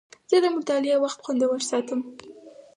زه د مطالعې وخت خوندور ساتم.